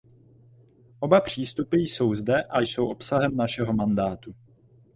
Oba přístupy jsou zde a jsou obsahem našeho mandátu.